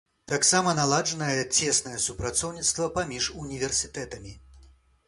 Таксама наладжанае цеснае супрацоўніцтва паміж універсітэтамі.